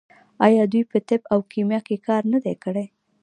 آیا دوی په طب او کیمیا کې کار نه دی کړی؟